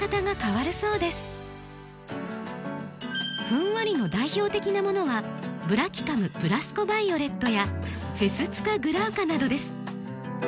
ふんわりの代表的なものはブラキカムブラスコバイオレットやフェスツカグラウカなどです。